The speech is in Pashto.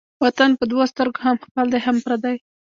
وطن په دوو سترگو هم خپل دى هم پردى.